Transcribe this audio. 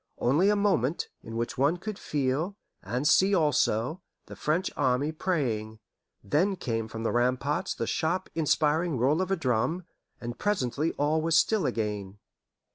Only a moment, in which one could feel, and see also, the French army praying, then came from the ramparts the sharp inspiring roll of a drum, and presently all was still again.